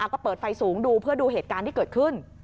ก็เปิดไฟสูงดูเพื่อดูเหตุการณ์ที่เกิดขึ้น